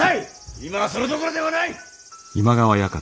今はそれどころではない！